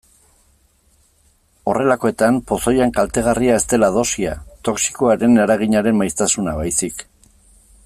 Horrelakoetan pozoian kaltegarria ez dela dosia, toxikoaren eraginaren maiztasuna baizik.